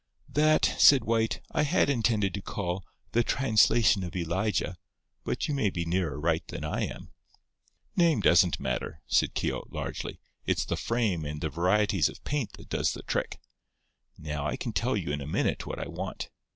"That," said White, "I had intended to call 'The Translation of Elijah,' but you may be nearer right than I am." "Name doesn't matter," said Keogh, largely; "it's the frame and the varieties of paint that does the trick. Now, I can tell you in a minute what I want.